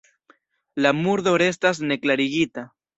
La murdo restas neklarigita.